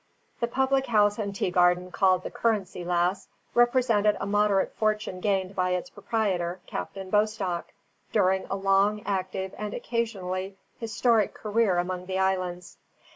The public house and tea garden called the Currency Lass represented a moderate fortune gained by its proprietor, Captain Bostock, during a long, active, and occasionally historic career among the islands.